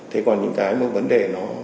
thế còn những cái vấn đề